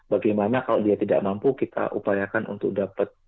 bagaimana kalau dia tidak mampu kita upayakan untuk dapat